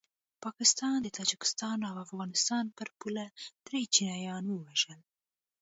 پاکستان د تاجکستان او افغانستان پر پوله دري چینایان ووژل